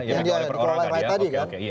yang dikelola rakyat tadi kan